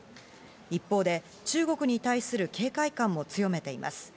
一方で、中国に対する警戒感も強めています。